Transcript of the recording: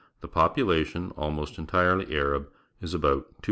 The population, almost en tirely Arab, is about 260,000.